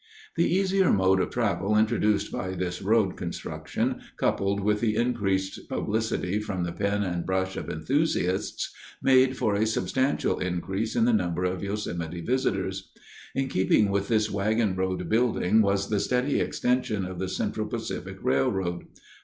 The easier mode of travel introduced by this road construction, coupled with the increased publicity from the pen and brush of enthusiasts, made for a substantial increase in the number of Yosemite visitors. In keeping with this wagon road building was the steady extension of the Central Pacific Railroad.